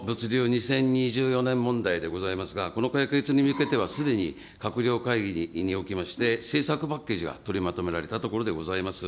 ２０２４年問題でございますが、この解決に向けては、すでに閣僚会議におきまして、政策パッケージが取りまとめられたところでございます。